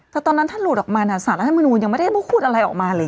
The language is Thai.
แต่ตอนนั้นท่านหลุดออกมานะฮะสหรัฐธรรมนูญยังไม่ได้พูดอะไรออกมาเลย